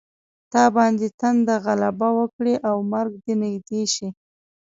په تا باندې تنده غلبه وکړي او مرګ دې نږدې شي.